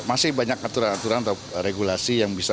masih banyak aturan aturan atau regulasi yang bisa